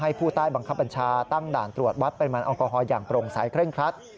ให้ผู้ใต้บังคับปัญชาตั้งด่านตรวจวัดเป็นมันอลกอฮอล์อย่างปรงสายเครื่องคลัด